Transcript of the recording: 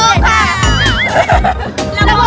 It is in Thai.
กรุงเทพค่ะ